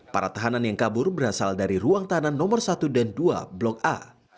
para tahanan yang kabur berasal dari ruang tahanan nomor satu dan dua blok a